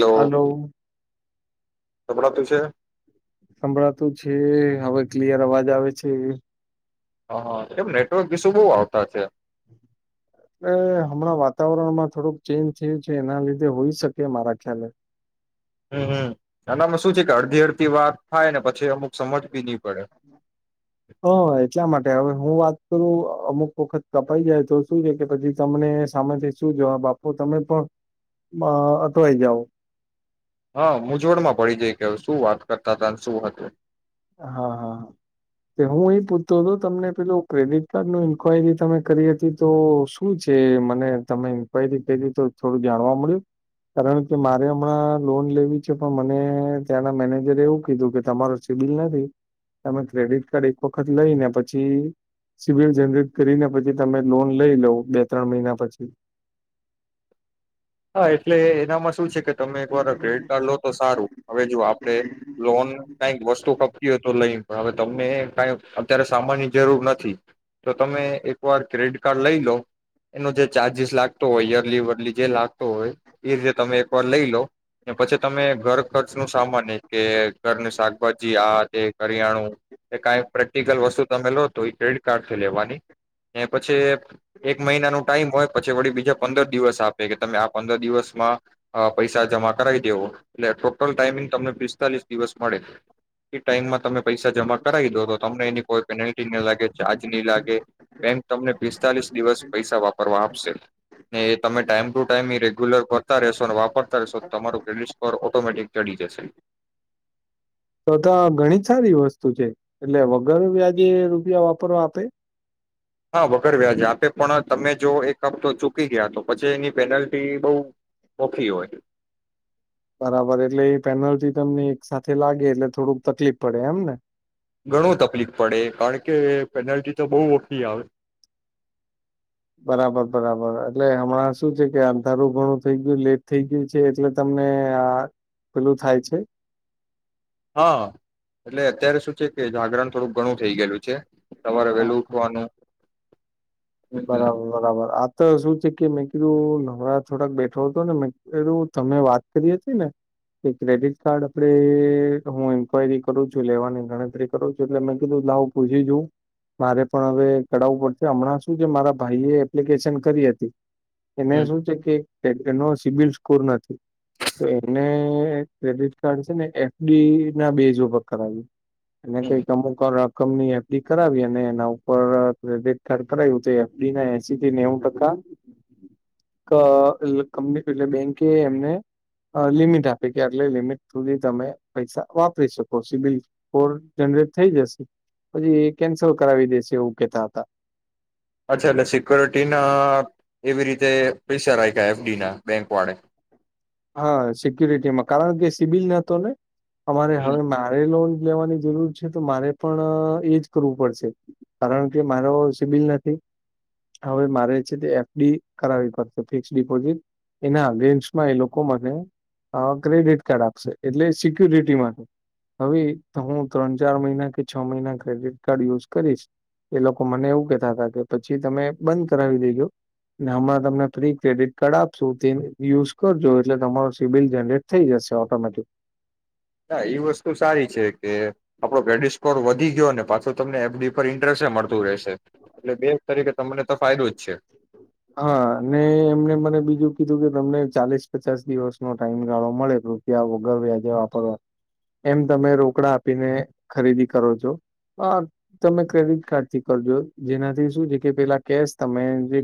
Hello. સંભળાતું છે. સંભળાતું છે હવે ક્લિયર અવાજ આવે છે. હા હા કેમ નેટવર્ક ઈશ્યુ બહુ આવતા છે. એટલે હમણાં વાતાવરણમાં થોડુંક ચેન્જ થયું છે એના લીધે હોઈ શકે મારા ખ્યાલે હમ હમ એનામાં શું છે કે અડધી અડધી વાત થાયને પછી અમુક સમજ બી ની હમ એટલા માટે હવે હું વાત હું અમુક વખત કપાઈ જાય તો શું છે કે પછી તમને સામેથી શું જવાબ આપવો તમે પણ અહ અટવાઈ જાવ. હા મૂંઝવણ માં પડી જઈએ કે શું વાત કરતા હતાને શું હતું. હા હા હા તે હું એ પૂછતો હતો તમને પેલોું ક્રેડિટ કાર્ડ ની ઇન્કવાયરી તમે કરી હતી તો શું છે મને તમે ઇન્ક્વાયરી કરી તો થોડું જાણવા મળ્યું કારણ કે મારે હમણાં લોન લેવી છે પણ મને ત્યાંના મેનેજરે એવું કીધું કે તમારો એટલી નથી, તમે ક્રેડિટ કાર્ડ એક વખત લઈને પછી સીબિલ જનરેટ કરીને પછી તમે લોન લઈ લો બે ત્રણ મહિના પછી. હા એટલે એમાં શું છે કે તમે એક વાર ક્રેડિટ કાર્ડ લો તો સારું હવે જો આપડે લોન કઈક વસ્તુ કા [unintelligible] તો લઈ પણ હવે તમને કઈ અત્યારે સામાનની જરૂર નથી તો તમે એકવાર ક્રેડિટ કાર્ડ લઈ લો એનો જે ચાર્જિસ લાગતો હોય યરલી વરલી જે [unintelligible] એ રીતે તમે એક વાર લઈ લો પછી તમે ઘર ખર્ચ નું સામાન કે ઘરની શાકભાજી આ તે કરિયાણું એ કઈ પ્રેક્ટિકલ વસ્તુ તમે લો તો એ ક્રેડિટ કાર્ડથી લેવાની એ પછી એક મહિના નો ટાઈમ હોય પછી વળી બીજા પંદર દિવસ આપે કે તમે [unintelligible] પંદર દિવસમાં પૈસા જમા કરાઈ દેવો એટલે ટોટલ ટાઈમિંગ તમને પિસ્તાલીસ દિવસ મળે એ ટાઈમમાં તમે પૈસા જમા કરાવી દો તો તમને એની કોઈ પેનલ્ટી નહી લાગે ચાર્જ નહીં લાગે બેંક તમને પિસ્તાલીસ દિવસ પૈસા વાપરવા આપશે ને એ તમે ટાઈમ ટુ ટાઈમ [unintelligible] રેગ્યુલર કરતા રહેશો અને વાપરતા રહેશો તો તમારું ક્રેડિટ સ્કોર ઓટોમેટિક ચડી જશે. તો તો ઘણી સારી વસ્તુ છે એટલે વગર વ્યાજે રૂપિયા વાપરવા આપે. હા વગર વ્યાજે આપે પણ તમે જો એક હપ્તો ચૂકી ગયા તો પછી એની પેનલ્ટી બહુ ઓખી હોય. બરાબર એટલે એ પેનલ્ટી તમને એક સાથે લાગે એટલે થોડુંક તકલીફ પડે એમ ને? ઘણું તકલીફ પડે કારણ કે પેનાલ્ટી તો બહુ ઓખી આવે. બરાબર બરાબર એટલે હમણાં શું છે કે અંધારું ઘણું થઈ ગયું લેટ થઈ ગયું છે એટલે તમને આ પેલું થાય છે. હા એટલે અત્યારે શું છે કે જાગરણ થોડુંક ઘણું થઇ ગયેલું છે. સવારે હા વેલું ઉઠવાનું હમ બરાબર, બરાબર આ. શું છે કે મેં કીધું, નરા થોડાક બેઠો હતો ને મેું તમે વાત કરી હતી ને કે ક્રેડિટ કાર્ડ આપણે હું ન્કવાયરી કરું છું લેવાની ગણતરી કરું છું એટલે મેં કીધું લાવું, પૂછી જોઉું મારે પણ હવે કરાવું પડશે હમણાં જ. હુ કે મારા ભાઈએ એપ્લિકેશન કરી હતી. એને શું છે કે એક જણ નો સિબિલ સ્કોર નથી, તો એને ક્રેડિટ કાર્ડ છે ને એફ ડી ના બેસ ઉપર કરાવ્યું. અને હમ કઈ અમુક કો રાખ. કંપનીએ એફ ડી કરાવી અને એના ઉપર ક્રેડિટ કાર્ડ કરાયું તે એફ ડી ના એસી થી નેવું ટકા ત લ એટલે બેંકે એમને અ લિમિટ આપી કે એટલે લિમિટ સુધી તમે પૈસા વાપરી શકો સિબિલ કોડ જનરેટ થઈ જશે પછી એ કેન્સલ કરાવી દેશે એવું કેતા હતા. અચ્છા, એટલે સિક્યોરિટીના એવી રીતે પ્રેશર રાખ્યા. એફડી ના બેંક વાળે. હા, સિક્યુરિટીમાં કારણ કે સિવિલ ન હતો ને. અમારે હમ હવે મારે લો લેવાની જરૂર છે તો મારે પણ એજ કરવું પડશે, કારણ કે મારો સિબિલ નથી. હવે મારે છે તે એફડી કરાવવી પડશે, ફિક્સ ડિપોઝિટ એના અગેન્સ્ટમાં એ લોક લોકો મને ક્રેડિટ કાર્ડ આપશે, એટલે સિક્યુરિટી માટે હવે હું ત્રણ ચાર મહિના કે છ મહિના ક્રેડિટ કાર્ડ યુઝ કરીશ. એ લોકો મને એવું કહેતા હતા કે પછી તમે બંધ કરાવી દેજો ને, હમણાં તમને ફ્રી ક્રેડિટ કાર્ડ આપશો તે યુઝ કરજો. એટલે તમારું સીબિલ જનરેટ થઈ જશે ઓટોમેટિક. ના, એ વસ્તુ સારી છે કે આપડો વેડીસનલ સ્કોર વધી ગયો, પાછો તમને એફડી પર ઇન્ટરેસ્ટ મળતું રહેશે, એટલે બે તરીકે તમને તો ફાયદો જ છે. હા, અનેને એમને મને બીજું કીધું કે તમને ચાલીસ પચાસ દિવસનો ટાઈમ ગાળો મળે રૂપિયા વગર વ્યાજે વાપરવા, એમ તમે રોકડા આપીને ખરીદી કરો છો, તમે ક્રેડિટ કાર્ડથી કરજો, જેનાથી શું છે કે પેલા કેશ તમે જે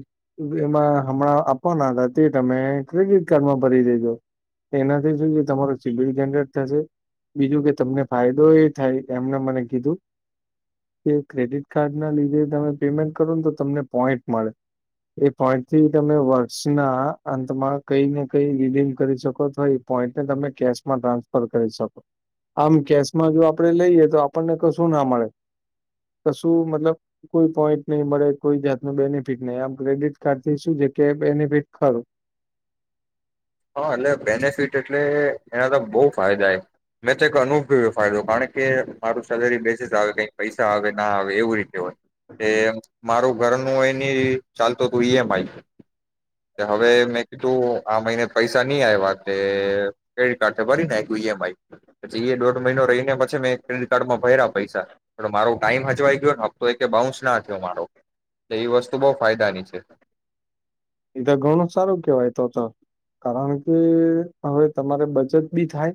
એમાં હમણાં આપવાના હતા તે તમે ક્રેડિટ કાર્ડમાં ભરી દેજો, એનાથી શું છે તમારો સીબડી જનરેટ થશે. બીજું કે તમને ફાયદો એ થાય. એમને મને કીધું કે ક્રેડિટ કાર્ડના લીધે તમે પેમેન્ટ કરો ને તો તમને પોઈન્ટ મળે. એ પોઈન્ટ થી તમે વર્ષના અંતમાં કઈ ને કઈ રીડીમ કરી શકો. થવા એ પોઈન્ટને તમે કેશમાં ટ્રાન્સફર કરી શકો. આમ કેશમાં જો આપે લઈએ તો આપણને કશું ના મળે, કશું મતલબ કોઈ પોઈન્ટ નહી મળે, કોઈ જાતનું બેનિફિટ નહી આમ ક્રેડિટ કાર્ડ થી શું છે, કે બેનિફિટ ખરો. હા, એટલે બેનિફિટ એટલે એના તો બહુ ફાયદા એ મેં તો એક અનુભવ ફાયદો કારણ કે મારું સેલરી બેસે જ આવે કઈ પૈસા આવે, ના આવે એવું રીતે હોય. મારું ઘરનું એની ચાલતું હતું ઈ એમ આઈ હવે મેં કીધું આ મહિને પૈસા ની આવ્યા તે ક્રેડિટ કાર્ડ થી ભરી નાખ્યા, ઈએમઆઈ પછી દોઢ મહિનો રહીને મે ક્રેડિટ કાર્ડમાં ભર્યા પૈસા મારો ટાઈમ હજુ હોઈ કે ન? તો એ બાઉન્સ ના થયો મારો. એ વસ્તુ બહુ ફાયદાની છે. એ તો ઘણું સારું કેવાય, તો હતો કારણ કે હવે તમારે બચત બી થાય.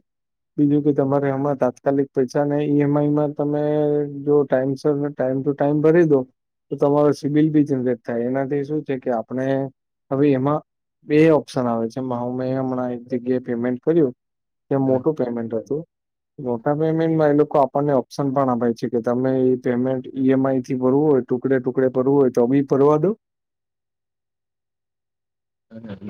બીજું કે તમારે આમાં તાત્કાલિક પૈસા ને ઈએમઆઈમાં તમે જો ટાઈમસર, ટાઈમ ટુ ટાઈમ ભરી દો તો તમારો સિબિલ બી જનરેટ થાય. એનાથી શું છે કે આપણે હવે એમાં બે ઓપ્શન આવે છે, હું મેં હમણાં એક જગ્યાએ પેમેન્ટ કર્યું. એ્યા મોટું પેમેન્ટ હતું. મોટા પેમેન્ટમાં એ લોકો આપણને ઓપ્શન પણ આપે છે. કે તમે એ પેમેન્ટ ઈએમઆઈ થી ભરવું હોય, ટુકડે ટુકડે ભરવું હોય તો બી ભરવા દો.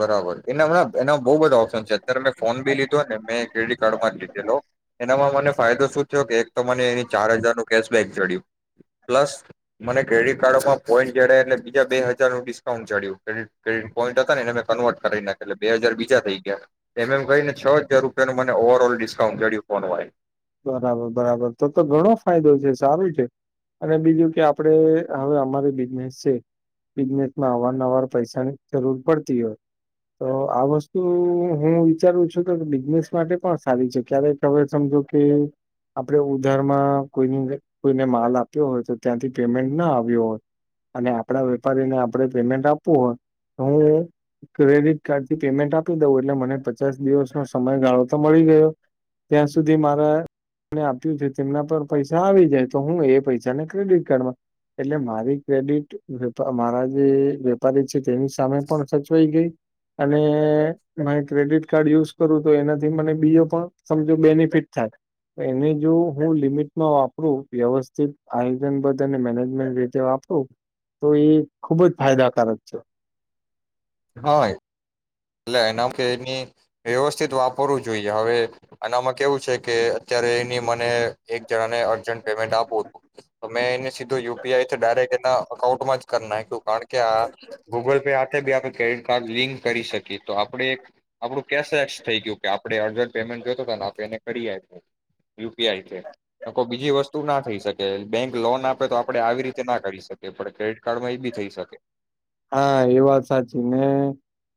બરાબર, એના એના બઉ બધા ઓપ્શન છે. અત્યારે મેં ફોન બી લીધો, ને મેં ક્રેડિટ કાર્ડમાં જ લીધેલો. એનામાં મને ફાયદો શું? એક તો મને ચાર હજાર નું કેશ બેગ જડ્યું, પ્લસ મને ક્રેડિટ કાર્ડમાં પોઈન્ટ જડ્યા એટલે બીજા બે હજારનું ડિસ્કાઉન્ટ જડ્યુંટ. પોઈન્ટ હતા ને મે કન્વર્ટ કરી નાખ્યું એટલે બે હજાર બીજા થઈ ગયા. એમ એમ કહીને છ હજાર રૂપિયા ન મને ઓવર ઓલ ડિસ્કાઉન્ટ કર્યુ ફોન હોય. બરાબર, બરાબર તો તો ઘણો ફાયદો છે, સારું છે અને બીજું કે આપણે હવે અમારી બિઝનેસ છે. બિઝનેસમાં અવારનવાર પૈસાની જરૂર પડતી હોય. તો આ વસ્તુ હું વિચારું છું, તો બિઝનેસ માટે પણ સારી છે. ક્યારેક હવે સમજો. કે આપણે ઉધારમાં કોઈની કોઈને માલ આપ્યો હોય. તો ત્યાંથી પેમેન્ટ ના આવ્યો હોય, અને આપણા વેપારીને આપણે પેમેન્ટ આપવું હોય, તો હું ક્રેડિટ કાર્ડથી પેમેન્ટ આપી દઉં એટલે મને પચાસ દિવસનો સમયગાળો તો મળી. ગયો ત્યાં સુધી મારા આપ્યું છે. તેમના પર પૈસા આવી જાય તો હું, એ પૈસા ને ક્રેડિટ કાર્ડમાં એટલે મારી ક્રેડિટ મારા જે વેપારી છે. તેની સામે પણ સચવાઈ ગઈ, અને હ ક્રેડિટ કાર્ડ યુઝ કરું, તો એનાથી મને બીજો પણ સમજો બેનિફિટ થાય એને જો હું, લિમિટમાં વાપરું વ્યવસ્થિત આયોજનબદ્ધ અને મેનેજમેન્ટ રીતે વાપરું, તો એ ખુબ જ ફાયદાકારક છે. હા [inaudible] કે એની વ્યવસ્થિત વાપરું જોઈએ હવે અનામ કેવું છે, કે અત્યારે એની મને એક જણાને અર્જન્ટ પેમેન્ટ આપું હતું. તો મેં એને સીધું યુપીઆઈ ડાયરેક્ટ એના અકાઉન્ટમાં જ કરી નાખ્યું કારણ કે આ ગુગલ પે હાથે બી આપણે ક્રેડિટ કાર્ડ લિંક કરી શકીએ. તો આપણે એક આપણું કેશલેસ થઈ ગયું કે આપણે અર્જન્ટ પેમેન્ટ જોતો ને આપને કરી યુપીઆઈ કોઈ બીજી વસ્તુ ના થઈ શકે. બેં લોન આપે તો આપડે આવી રીતે ના કરી શ એ પણ ક્રેડિટ કાર્ડમાં એ બી થઈ શકે. હા એ વાત સાચી ને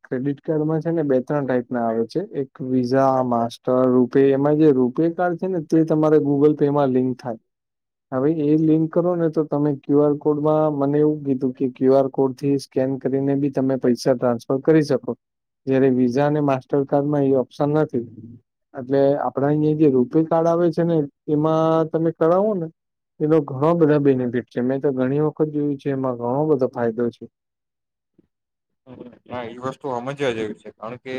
ક્રેડિટ કાર્ડમાં છે ને બે ત્રણ ટાઈપ ના આવે છે. એક વિઝા માસ્ટર રૂપે એમાં જે રૂપે કાર્ડ છે ને તે તમારે ગૂગલ પે માં લિંક થાય હા ભાઈ એ લિંક કરો ને તો તમે ક્યુ આર કોડમાં મને એવું કીધું કે ક્યુ આર કોડ થી સ્કેન કરીને બી તમે પૈસા ટ્રાન્સફર કરી શકો. જયારે વિઝા અને માસ્ટરકાર્ડમાં એ ઓપ્શન નથી એટલે આપડા અહીંયા જે રૂપે કાર્ડ આવે છે ને એમાં તમે કરાવો ને એનો ઘણ બધા બેનિફિટ છે મેં તો ઘણી વખત જોયું છે એમાં ઘણો બધો ફાયદો છે. હા એ વસ્તુ હમજ્યા જેવી છે કારણ કે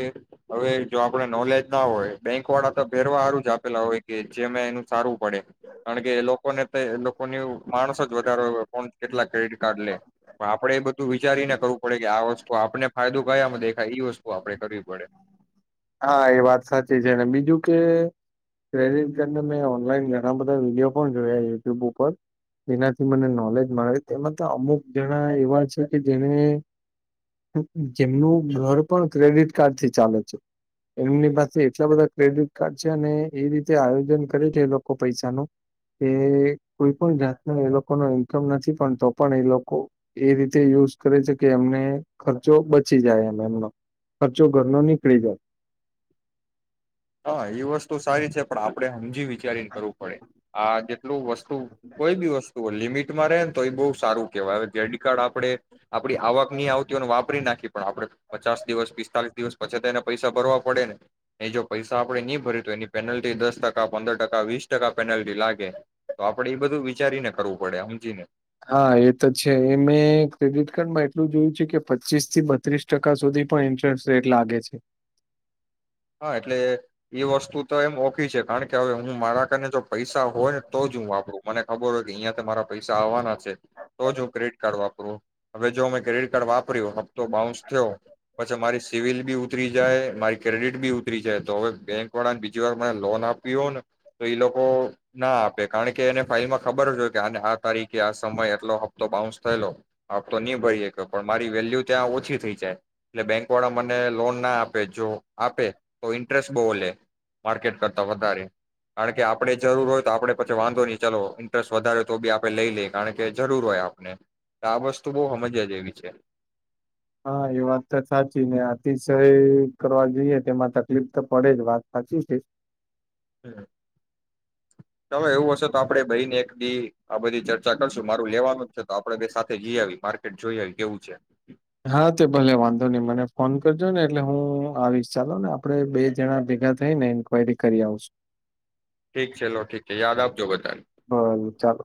હવે જો આપણે નોલેજ ના હોય બેંક વાળા તો ભેરવાહારું જ આપેલા હોય કે જે મેં એનું સારું પડે કારણ કે એ લો કોને તે લોકો એવું માણસ જ વધારે કો કેટલા ક્રેડિટ કાર્ડ લે પણ આપડે એ બધું વિચારીને કરવું પડે કે આ વસ તુ આપને ફાયદો કયામાં દેખાય ઈ વસ્તુ આપડે કરવી પડે. હા એ વાત સાચી છે. અને બીજું કે ક્રેડિટ કાર્ડને મેં ઓનલાઈન ઘણા બધા વિડીયો પણ જોયા યુટ્યુબ ઉપર જેનાથી મને નોલેજ મળે તેમાં તો અમુક જણા એવા છે કે જેને જેમનું ઘર પણ ક્રેડિટ કાર્ડ થી ચાલે છે. એમની પાસે એટલા બધા ક્રેડિટ કાર્ડ છે ને એ રીતે આયોજન કરે છે એ લોકો પૈસા નો કે કોઈ પણ જાતનો એ લોકોનો ઈન્કમ નથી પણ તો પણ એ લોકો એ રીતે યુઝ કરે છે કે એમને ખર્ચો બચી જાય એમ એમનો ખર્ચો ઘરનો નીકળી જાય. હ એ વસ્તુ સારી છે. પણ આપડે હમજી વી ચારી કરવું પડે આ જેટલું વસ્તુ કોઈ બી વસ્તુ લિમિ ટી મા રહે તો એ બહુ સારું કેહેવાય જે ક્રેડિટ કાર્ડ આપણેે આપડી આવક ની આવતી હોને વાપરી નાખી પણ આપડે પચાસ દિવસ પિસ્તાલીસ દિવસ પછી તો એને પૈસા ભરવા પડે ને એ જો પૈસા આપણે નહી ભર્યું તો એની પેનલ્ટી દસ ટકા પંદર ટકા વીસ ટકા પેનલ્ટી લાગે તો આપડે એ બધું વિચારીને કરવું પડે હમજીને. હા એ તો છે એ મેં ક્રેડિટ કાર્ડમાં એટલું જોયું છે કે પચીસ થી બત્રીસ ટકા સુધી પણ ઇન્ટરેસ્ટ રેટ લાગે છે. હા એટલે એ વસ્તુ તો એમ ઓખી છે. કારણ કે હવે હું મારા કારને જો પૈસા હોયને તો જ હું વાપરું મને ખબર હોય કે અહીંયા તો મારા પૈસા આવવાના છે. તો જ હું ક્રેડિટ કાર્ડ વાપરું હવે જો મેં ક્રેડિટ કાર્ડ વાપર્યું હપ્તો બાઉન્સ થયો પછી મારી સિવિલ બી ઉતરી જાય મારી ક્રેડિટ બી ઉતરી જાય તો હવે બેંક વાળાને બીજી વાર મ લોન આપી હો ને તો એ લોકો ના આપે કારણ કે એને ફાઈલમાં ખબર જ હોય કે આ આ તારીખે આ સમય એટલો હપ્તો બાઉન્સ થયેલો હતો ન ભરી પણ મારી વેલ્યુ ત્યાં ઓછી થઈ જાય એટલે બેંક વાળા મને લોન ના આપે જો આપે તો ઇન્ટરેસ્ટ બહુ લે માર્કેટ કરતા વધારે કારણ કે આપડે જરૂર હોય તો આપડે પછી વાંધો નહી ચાલ ઇન્ટરેસ્ટ વધારે તો બી આપે લઈ લે કારણ કે જરૂર હોય આપણે આ વસ્તુ બહ હામજવા જેવી છે. હા એ વાત તો સાચી ને અતિશય કરવા જોઈએ તેમાં તકલીફ તો પડે જ વાત હાચી છે. ચાલો એવું હશે તો આપડે ભઈ ને એક દી આ બધી ચર્ચા કરશું મારું લેવાનું જ છે. તો આપડે બે સાથે જી આવી માર્કેટ જોઈ આવી. કેવું છે. હા તે ભલે વાંધો નઈ મને ફોન કરજો ને એટલે હું આવીશ ચાલો ને આપે બે જણા ભેગા થઈ ને ન્કવાયરી કરી આવશું. ઠીક છે લો ઠીક છે. યાદ આપજો બધાને. ભલે ચાલો.